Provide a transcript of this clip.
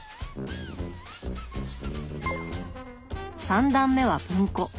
３段目は文庫。